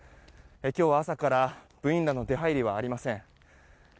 今日は朝から部員らの出入りはありません。